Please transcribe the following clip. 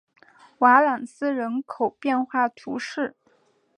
瓦朗斯人口变化图示